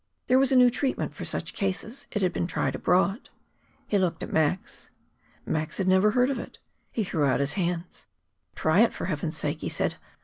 There was a new treatment for such cases it had been tried abroad. He looked at Max. Max had never heard of it. He threw out his hands. "Try it, for Heaven's sake," he said.